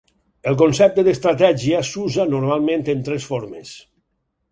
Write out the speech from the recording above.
El concepte d'estratègia s'usa normalment en tres formes.